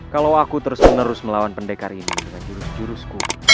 kalau aku terus menerus melawan pendekar ini dengan jurus jurusku